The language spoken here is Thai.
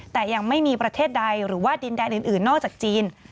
แต่ยังไม่มีประเทศใดหรือว่าดินแดนอื่นนอกจากจีน